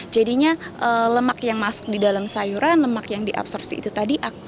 jadinya lemak yang masuk di dalam sayuran lemak yang diabsorpsi itu tadi